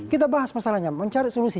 kita bahas masalahnya mencari solusi